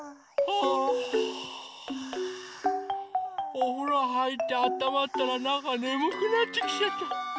おふろはいってあったまったらなんかねむくなってきちゃった。